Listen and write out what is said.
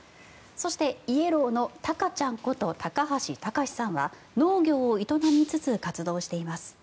そしてイエローのたかちゃんこと高橋孝さんは農業を営みつつ活動しています。